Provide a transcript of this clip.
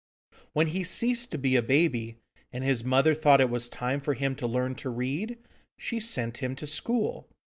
When he ceased to be a baby, and his mother thought it was time for him to learn to read, she sent him to school.